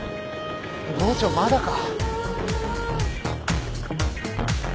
郷長まだか？